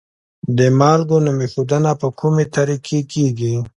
د مالګو نوم ایښودنه په کومې طریقې کیږي؟